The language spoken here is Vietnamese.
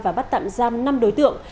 và bắt tạm giam năm đối tượng